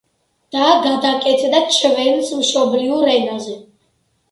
და გადაკეთდა ჩვენს მშობლიურ ენაზე.